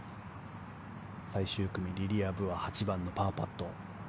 最終組、リリア・ブは８番のパーパット。